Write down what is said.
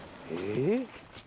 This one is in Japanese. えっ？